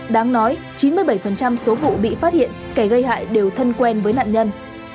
đáng nói chín mươi bảy số vụ bị phát hiện kẻ gây hại đều thân quen với nạn nhân